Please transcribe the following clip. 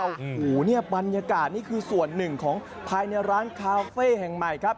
โอ้โหเนี่ยบรรยากาศนี่คือส่วนหนึ่งของภายในร้านคาเฟ่แห่งใหม่ครับ